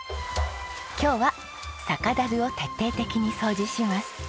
今日は酒樽を徹底的に掃除します。